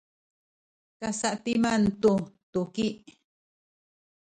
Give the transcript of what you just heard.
kasa’timan tu tuki